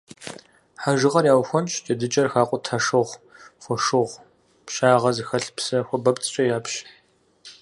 Хьэжыгъэр яухуэнщӏ, джэдыкӏэр хакъутэр шыгъу, фошыгъу, пщагъэ зыхэлъ псы хуабэпцӏкӏэ япщ.